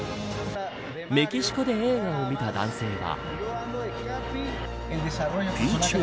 メキシコで映画を見た男性は。